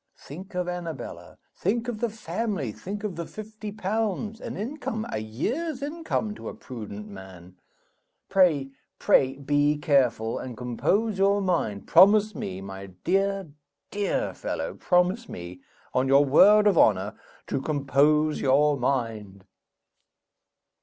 Think of Annabella, think of the family, think of the fifty pounds an income, a year's income to a prudent man. Pray, pray be careful, and compose your mind: promise me, my dear, dear fellow promise me, on your word of honor, to compose your mind!"